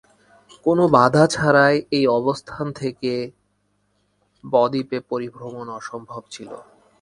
কোন বাধা ছাড়াই এই অবস্থান থেকে বদ্বীপে পরিভ্রমণ সম্ভব ছিল।